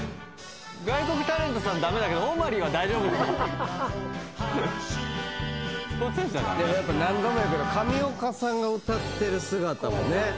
外国タレントさん駄目だけどオマリーは大丈夫なの⁉でもやっぱ何度も言うけど上岡さんが歌ってる姿もね。